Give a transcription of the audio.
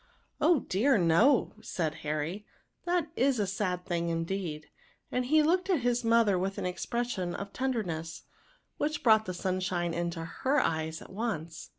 " Oh, dear, no 1 " said Harry, " that is a sad thing indeed ;" and he looked at his mother with an expression of tenderness, which brought the sunshine into her eyes at once.